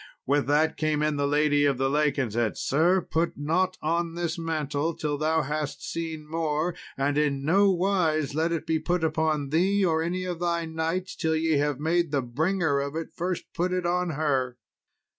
With that came in the lady of the lake, and said, "Sir, put not on this mantle till thou hast seen more; and in nowise let it be put upon thee, or any of thy knights, till ye have made the bringer of it first put it on her."